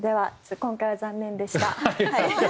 今回は残念でした。